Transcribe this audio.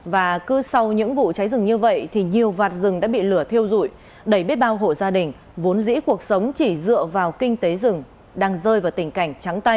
và cứ sau những vụ cháy rừng như vậy thì nhiều vạt rừng đã bị lửa thiêu rụi đầy biết bao hộ gia đình vốn dĩ cuộc sống chỉ dựa vào kinh tế rừng đang rơi vào tình cảnh trắng tay